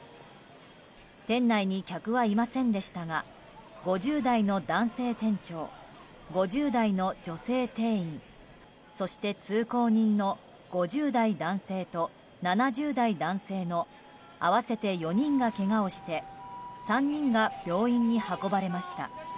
店内に客はいませんでしたが５０代の男性店長５０代の女性店員そして、通行人の５０代男性と７０代男性の合わせて４人がけがをして３人が病院に運ばれました。